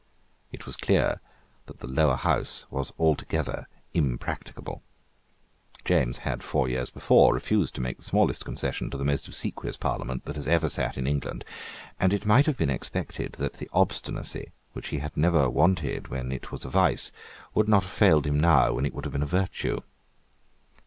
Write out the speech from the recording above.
It was clear that the Lower House was altogether impracticable. James had, four years before, refused to make the smallest concession to the most obsequious parliament that has ever sat in England; and it might have been expected that the obstinacy, which he had never wanted when it was a vice, would not have failed him now when it would have been a virtue.